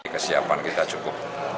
kesiapan kita cukup